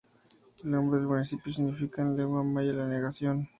El nombre del municipio significa en lengua maya la negación.